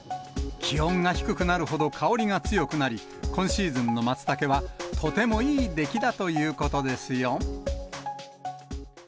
気温が低くなるほど香りが強くなり、今シーズンのマツタケは、とてもいい出来だということですよ。